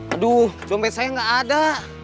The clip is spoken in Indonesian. aduh jompet saya gak ada